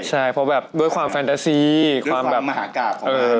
ใช่เพราะความฟันตาซีด้วยความแยกต้องปรับมหากากของมัน